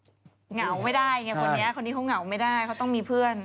เหงาไม่ได้ไงคนนี้คนนี้เขาเหงาไม่ได้เขาต้องมีเพื่อน